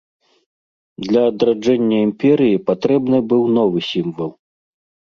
Для адраджэння імперыі патрэбны быў новы сімвал.